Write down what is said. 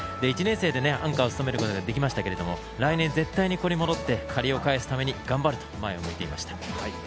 １年生でアンカーを務めましたが来年は戻って、借りを返すために頑張ると前を向いていました。